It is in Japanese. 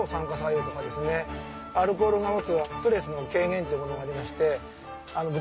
アルコールが持つストレスの軽減というものがありまして。